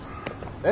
えっ？